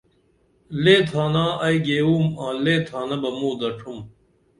لے تھانا ائی گیوم آں لے تھانہ بہ موں دڇھم